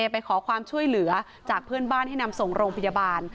ไปขอความช่วยเหลือจากเพื่อนบ้านให้นำส่งโรงพยาบาล